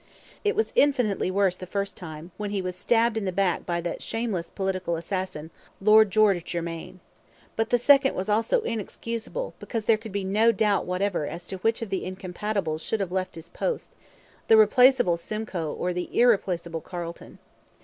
It was infinitely worse the first time, when he was stabbed in the back by that shameless political assassin, Lord George Germain. But the second was also inexcusable because there could be no doubt whatever as to which of the incompatibles should have left his post the replaceable Simcoe or the irreplaceable Carleton.